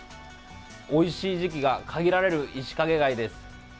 おいしい時期が限られるイシカゲ貝です。